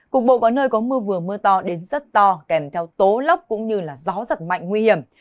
cục bộ có nơi có mưa vừa mưa to đến rất to kèm theo tố lốc cũng như gió giật mạnh nguy hiểm